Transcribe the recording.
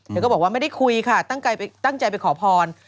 ก็บอกว่าไม่ได้คุยค่ะตั้งใจไปขอพร